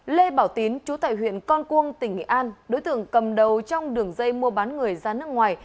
lê bảo tín chú tại huyện con cuông tỉnh nghệ an đối tượng cầm đầu trong đường dây mua bán người ra nước ngoài